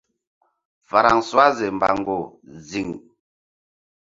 Francoise mbango ziŋ.